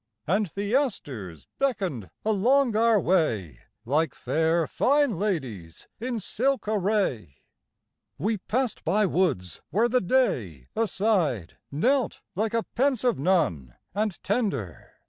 And the asters beckoned along our way Like fair fine ladies in silk array. We passed by woods where the day aside Knelt like a pensive nun and tender.